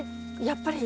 やっぱり